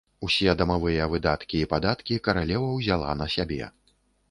Усе дамавыя выдаткі і падаткі каралева ўзяла на сябе.